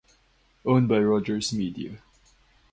Owned by Rogers Media.